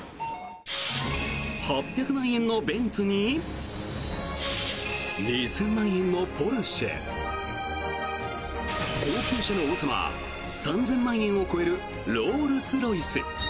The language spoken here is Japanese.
８００万円のベンツに２０００万円のポルシェ高級車の王様３０００万円を超えるロールス・ロイス。